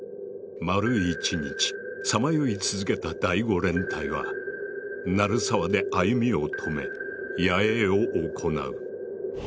丸一日さまよい続けた第５連隊は鳴沢で歩みを止め野営を行う。